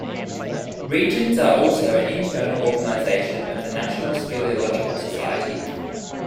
Regions are also an internal organization of the National Speleological Society.